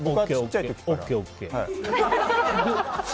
ＯＫ、ＯＫ。